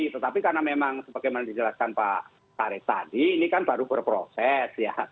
tetapi karena memang sebagaimana dijelaskan pak kari tadi ini kan baru berproses ya